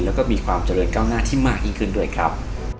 แล้วก็มีความเจริญก้าวหน้าที่มากยิ่งขึ้นด้วยครับ